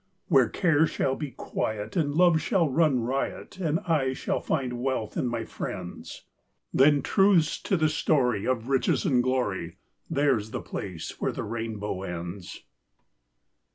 Where care shall be quiet, And love shall run riot, And I shall find wealth in my friends; Then truce to the story, Of riches and glory; There's the place where the rainbow ends.